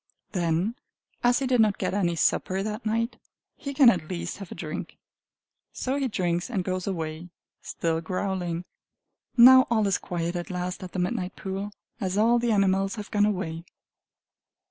Then, as he did not get any supper that night, he can at least have a drink. So he drinks and goes away, still growling. Now all is quiet at last at the midnight pool, as all the animals have gone away.